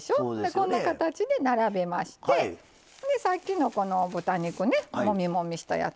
こんな形で並べましてさっきの豚肉もみもみしたやつ